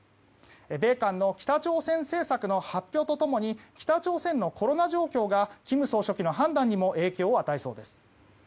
米韓の北朝鮮政策の発表とともに北朝鮮のコロナ状況が金総書記の判断にも影響を与えそうです。